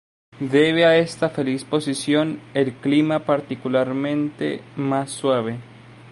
Debe a esta feliz posición el clima particularmente más suave.